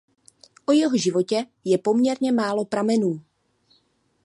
O jeho životě je poměrně málo pramenů.